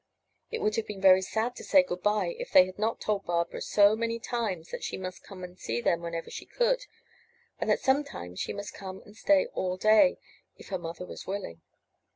It would have been very sad to say good by if they had not told Barbara so many times that she must come and see them whenever she could, and that some times she must come and stay all day, if her mother was willing.